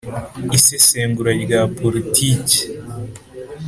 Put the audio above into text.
isesengura rya politiki